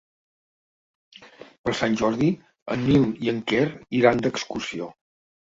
Per Sant Jordi en Nil i en Quer iran d'excursió.